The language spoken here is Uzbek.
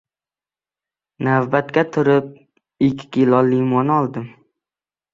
Navbatga turib ikki kilo limon oldim.